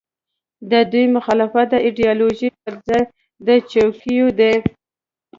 د دوی مخالفت د ایډیالوژۍ پر ځای د څوکیو دی.